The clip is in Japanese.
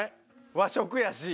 和食やし！